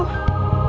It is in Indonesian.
masih ada apa apa